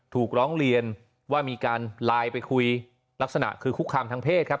ถูกร้องเรียนว่ามีการไลน์ไปคุยลักษณะคือคุกคามทางเพศครับ